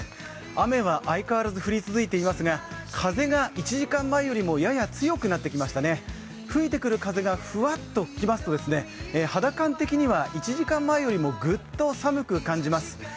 雨は相変わらず降り続いていますが風が１時間前よりもやや強くなってきましたね、吹いてくる風がふわっと吹きますと、肌感的には１時間前よりも、ぐっと寒く感じます。